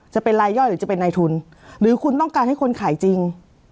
จะเป็นรายย่อยหรือจะเป็นในทุนหรือคุณต้องการให้คนขายจริง